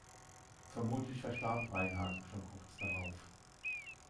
Vermutlich verstarb Reinhard schon kurz darauf.